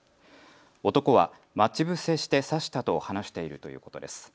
男は待ち伏せして刺したと話しているということです。